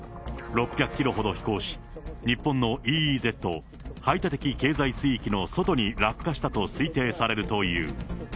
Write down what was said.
６００キロほど飛行し、日本のＥＥＺ・排他的経済水域の外に落下したと推定されるという。